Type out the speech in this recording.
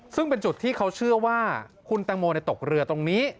ซึ่งเป็นจุดที่เขาเชื่อว่าคุณตังโมตกเรือตรงนี้